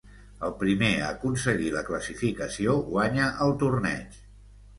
El primer a aconseguir la classificació guanya el torneig.